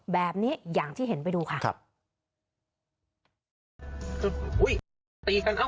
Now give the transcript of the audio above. แบบนี้อย่างที่เห็นไปดูค่ะครับอุ้ยตีกันเอ้าเอ้า